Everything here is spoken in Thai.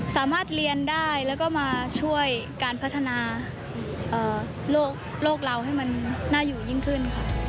สามารถเรียนได้แล้วก็มาช่วยการพัฒนาโลกเราให้มันน่าอยู่ยิ่งขึ้นค่ะ